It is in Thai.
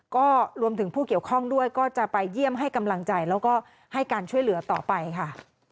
ก็รวมถึงผู้เกี่ยวข้องด้วยก็จะไปเยี่ยมให้กำลังใจแล้วก็ให้การช่วยเหลือต่อไปค่ะ